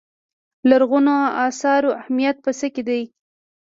د لرغونو اثارو اهمیت په څه کې دی.